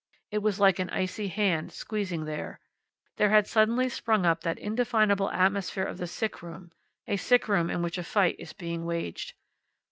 It was like an icy hand, squeezing there. There had suddenly sprung up that indefinable atmosphere of the sick room a sick room in which a fight is being waged.